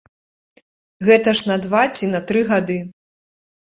Гэта ж на два ці на тры гады.